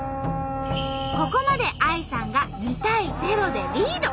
ここまでＡＩさんが２対０でリード！